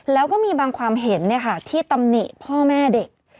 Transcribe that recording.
แล้วก็มีบางความเห็นที่ตำหนิพ่อแม่เด็ก